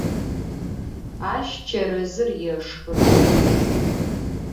Aş çerezır yêşşxı.